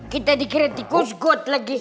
kita dikira tikus got lagi